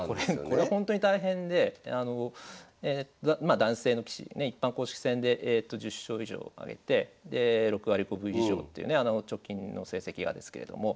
これほんとに大変でまあ男性の棋士にね一般公式戦で１０勝以上挙げてで６割５分以上っていうね直近の成績がですけれども。